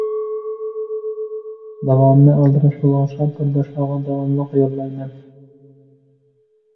داۋامىنى ئالدىراش بولغاچقا، تورداشلارغا داۋاملىق يوللايمەن.